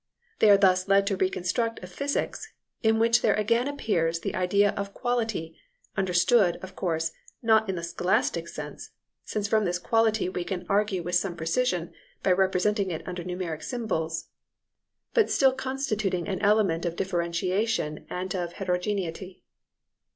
They are thus led to reconstruct a physics in which there again appears the idea of quality, understood, of course, not in the scholastic sense, since from this quality we can argue with some precision by representing it under numerical symbols, but still constituting an element of differentiation and of heterogeneity.